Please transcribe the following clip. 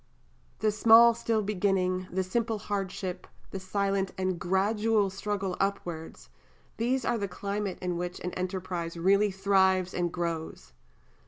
The small still beginning, the simple hardship, the silent and gradual struggle upwards, these are the climate in which an enterprise really thrives and grows.